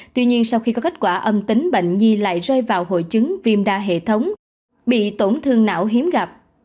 tuy nhiên sau khi có kết quả âm tính bệnh nhi lại rơi vào hội chứng viêm đa hệ thống bị tổn thương não hiếm gặp